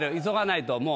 急がないと。